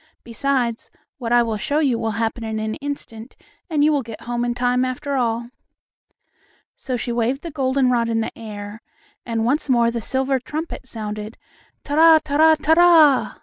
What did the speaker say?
Besides, what I will show you will happen in an instant, and you will get home in time after all." So she waved the goldenrod in the air, and once more the silver trumpet sounded: "Ta ra ta ra ta ra!"